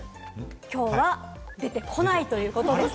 きょうは出てこないということです。